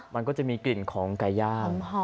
มันก็จะมีกลิ่นของไก่ย่าง